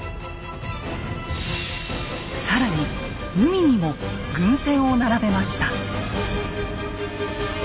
更に海にも軍船を並べました。